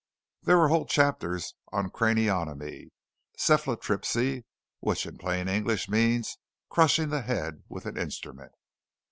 There were whole chapters on Craniotomy, Cephalotripsy, which in plain English means crushing the head with an instrument....